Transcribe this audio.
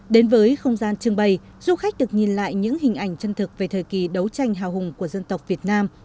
đến với không gian trưng bày du khách được nhìn lại những hình ảnh chân thực về thời kỳ đấu tranh hào hùng của dân tộc việt nam